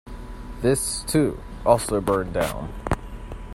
This, too, also burned down.